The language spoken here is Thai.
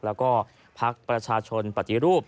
แล้วก็พักประชาชนปฏิรูป